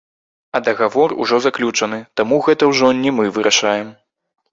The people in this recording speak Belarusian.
А дагавор ужо заключаны, таму гэта ўжо не мы вырашаем.